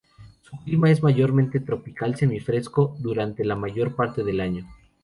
Su clima es mayormente tropical semi-fresco durante la mayor parte del año.